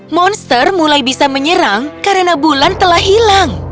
monster mulai bisa menyerang karena bulan telah hilang